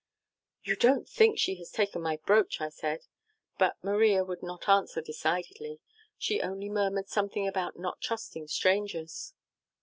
"'You don't think she has taken my brooch,' I said. But Maria would not answer decidedly. She only murmured something about not trusting strangers!